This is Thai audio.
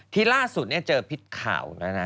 ที่ล่าสุดเจอพิษข่าวแล้วนะ